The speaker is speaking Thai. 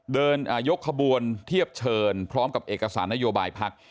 เดินยกขบวนเทียบเชิญพร้อมกับเอกสารนโยบายพัก